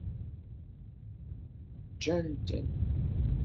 Ǧǧan-ten.